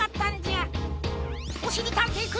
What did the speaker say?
おしりたんていくん。